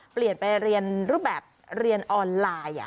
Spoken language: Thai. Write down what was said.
เปลี่ยนไปเรียนรูปแบบเรียนออนไลน์